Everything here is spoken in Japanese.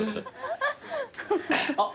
あっ。